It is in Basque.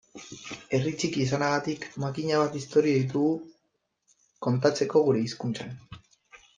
Herri txiki izanagatik makina bat istorio ditugu kontatzeko gure hizkuntzan.